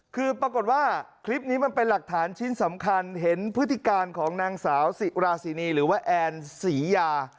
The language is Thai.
คือปรากฏว่าคลิปนี้มันเป็นหลักฐานชิ้นสำคัญเห็นพฤติการของนางสาวสิราศีนีหรือว่าแอนศรียา